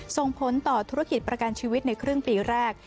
ส่งผลต่อธุรกิจประกันชีวิตในครึ่งปีแรก